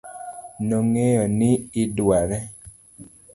nong'eyo ni idware